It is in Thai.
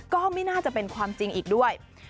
ก็ไม่น่าจะเป็นความจริงอีกด้วย